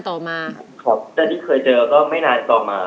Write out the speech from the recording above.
แต่ที่เคยเจอก็ไม่นานต่อมา